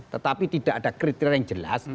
tetapi tidak ada kriteria yang jelas